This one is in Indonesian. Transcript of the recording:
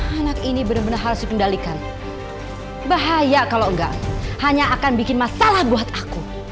anak ini benar benar harus dikendalikan bahaya kalau enggak hanya akan bikin masalah buat aku